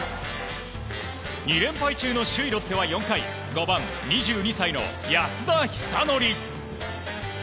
２連敗中の首位ロッテは４回５番、２２歳の安田尚憲。